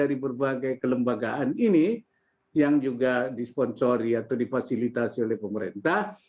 dari berbagai kelembagaan ini yang juga disponsori atau difasilitasi oleh pemerintah